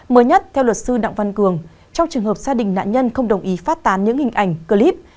mới nhất theo luật sư đặng văn cường trong trường hợp gia đình nạn nhân không đồng ý phát tán những hình ảnh clip